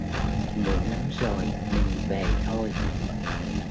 Muộn lắm rồi mình về thôi